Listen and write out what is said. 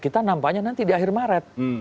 kita nampaknya nanti di akhir maret